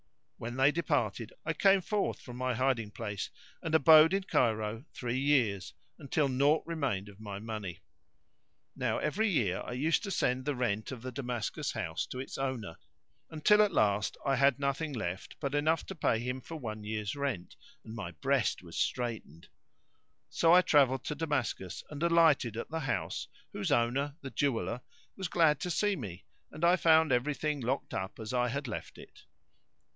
When they departed I came forth from my hiding place and abode in Cairo three years, until naught remained of my money. Now every year I used to send the rent of the Damascus house to its owner, until at last I had nothing left but enough to pay him for one year's rent and my breast was straitened. So I travelled to Damascus and alighted at the house whose owner, the jeweller, was glad to see me and I found everything locked up as I had left it.